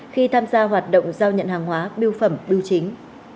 khi tham gia hoạt động giao nhận hàng hóa biêu phẩm bưu chính